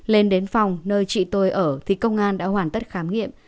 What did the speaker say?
lên đến phòng nơi chị tôi ở thì công an đã hoàn tất khám nghiệm